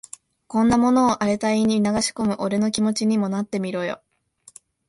こんなものを荒れた胃に流し込む俺の気持ちにもなってみろよ。